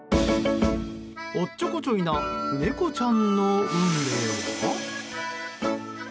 おっちょこちょいな猫ちゃんの運命は？